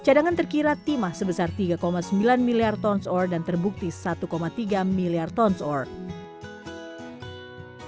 cadangan terkira timah sebesar tiga sembilan miliar tons ore dan terbukti satu tiga miliar ton ore